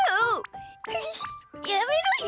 やめろよ！